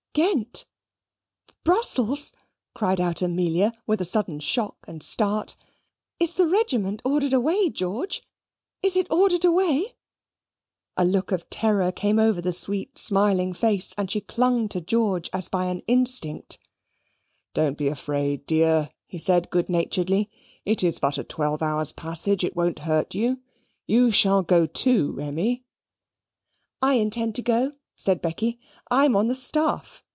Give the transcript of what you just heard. "Ghent! Brussels!" cried out Amelia with a sudden shock and start. "Is the regiment ordered away, George is it ordered away?" A look of terror came over the sweet smiling face, and she clung to George as by an instinct. "Don't be afraid, dear," he said good naturedly; "it is but a twelve hours' passage. It won't hurt you. You shall go, too, Emmy." "I intend to go," said Becky. "I'm on the staff.